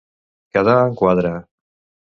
Quedar en quadre.